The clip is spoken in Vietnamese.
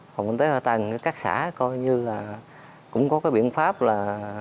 phòng tế hội tầng các xã coi như là cũng có cái biện pháp là